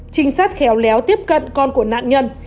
trinh sát khéo léo tiếp cận con của nạn nhân